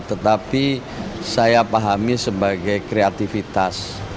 tetapi saya pahami sebagai kreativitas